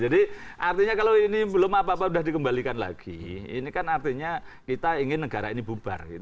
jadi artinya kalau ini belum apa apa sudah dikembalikan lagi ini kan artinya kita ingin negara ini bubar